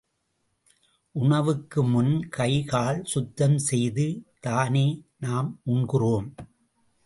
உணவுக்கு முன் கை கால் சுத்தம் செய்து தானே நாம் உண்கிறோம்.